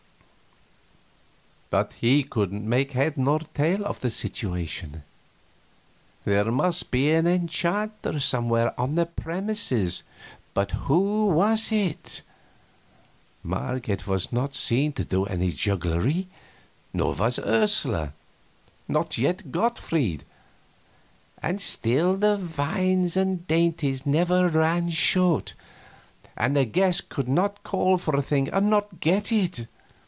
But he couldn't make head or tail of the situation. There must be an enchanter somewhere on the premises, but who was it? Marget was not seen to do any jugglery, nor was Ursula, not yet Gottfried; and still the wines and dainties never ran short, and a guest could not call for a thing and not get it.